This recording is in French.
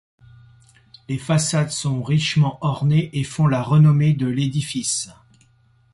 Les façades sont richement ornées et font la renommée de l'édifice.